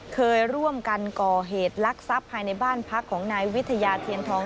เคยร่วมกันก่อเหตุลักษัพภายในบ้านพักของนายวิทยาเทียนทอง